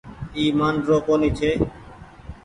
اي مآن رو ڪونيٚ ڇي۔